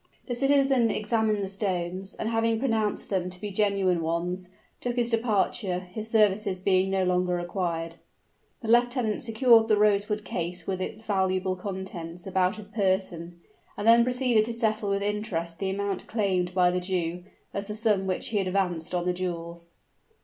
The citizen examined the stones, and having pronounced them to be the genuine ones, took his departure, his services being no longer required. The lieutenant secured the rosewood case with its valuable contents about his person, and then proceeded to settle with interest the amount claimed by the Jew, as the sum which he had advanced on the jewels.